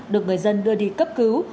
được người dân đưa đi cấp cứu